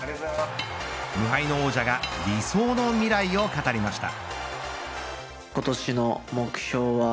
無敗の王者が理想の未来を語りました。